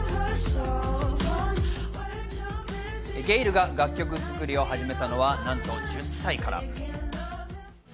ゲイルが楽曲作りを始めたのはなんと、１０歳から。